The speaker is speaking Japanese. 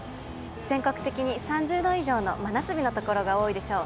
全国的に３０度以上の真夏日の所が多いでしょう。